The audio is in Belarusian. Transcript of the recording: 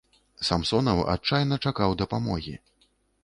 Самсонаў адчайна чакаў дапамогі.